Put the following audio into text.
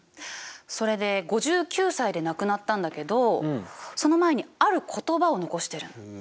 それで５９歳で亡くなったんだけどその前にある言葉を残してる。